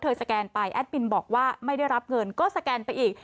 สแกนไปแอดมินบอกว่าไม่ได้รับเงินก็สแกนไปอีก